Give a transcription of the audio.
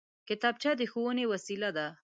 کتابچه د ښوونې وسېله ده